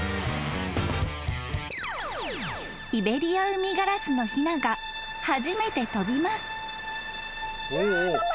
［イベリアウミガラスのひなが初めて飛びます］